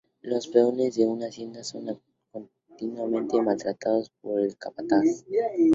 Los peones de una hacienda son continuamente maltratados por el capataz.